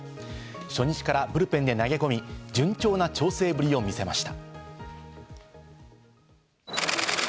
初日からブルペンで投げ込み、順調な調整ぶりを見せました。